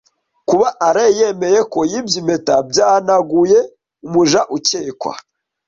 Kuba Alain yemeye ko yibye impeta byahanaguye umuja ukekwa.